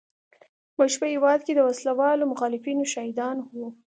موږ په هېواد کې د وسله والو مخالفینو شاهدان وو.